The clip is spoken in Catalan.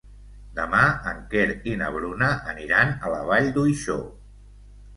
Demà en Quer i na Bruna aniran a la Vall d'Uixó.